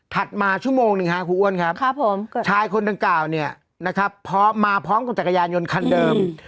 มาชั่วโมงหนึ่งฮะครูอ้วนครับชายคนดังกล่าวเนี่ยนะครับพร้อมมาพร้อมกับจักรยานยนต์คันเดิม